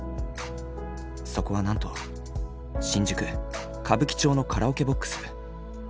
そこはなんと新宿・歌舞伎町のカラオケボックス。